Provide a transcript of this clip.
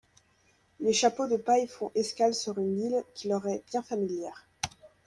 Les chapeaux de paille font escale sur une ile qui leur est bien familière...